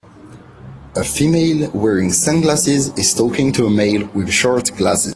A female wearing sunglasses is talking to a male with short glasses.